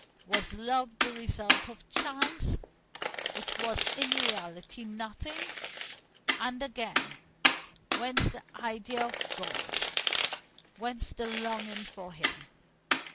Was love the result of chance, which was in reality nothing? And again, whence the idea of God, whence the longing for Him?